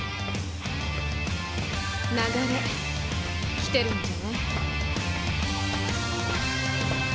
流れ来てるんじゃない？